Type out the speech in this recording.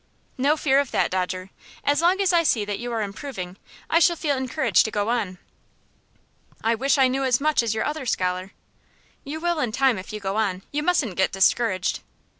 "No fear of that, Dodger. As long as I see that you are improving, I shall feel encouraged to go on." "I wish I knew as much as your other scholar." "You will in time if you go on. You mustn't get discouraged."